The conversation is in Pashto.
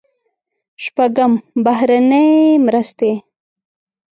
شپږم: بهرنۍ مرستې.